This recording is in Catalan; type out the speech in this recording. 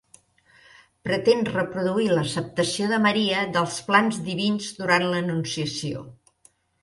Pretén reproduir l'acceptació de Maria dels plans divins durant l'Anunciació.